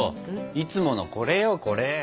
いつものこれよこれ！